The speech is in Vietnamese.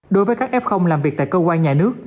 đối với các f làm việc tại cơ quan nhà nước